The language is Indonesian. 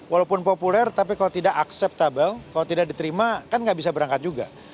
walaupun populer tapi kalau tidak acceptable kalau tidak diterima kan nggak bisa berangkat juga